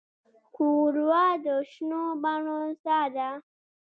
ښوروا د شنو بڼو ساه ده.